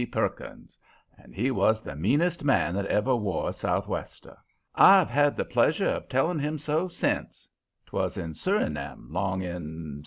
Perkins, and he was the meanest man that ever wore a sou' wester. I've had the pleasure of telling him so sence 'twas in Surinam 'long in '72.